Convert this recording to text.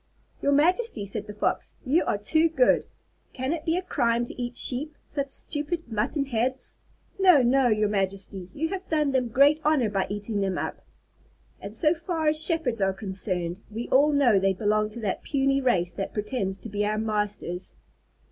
"Your majesty," said the Fox, "you are too good. Can it be a crime to eat sheep, such stupid mutton heads? No, no, your majesty. You have done them great honor by eating them up. "And so far as shepherds are concerned, we all know they belong to that puny race that pretends to be our masters."